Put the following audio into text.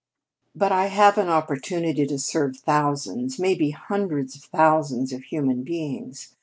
"But I have an opportunity to serve thousands maybe hundreds of thousands of human beings.